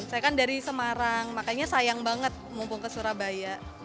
saya kan dari semarang makanya sayang banget mumpung ke surabaya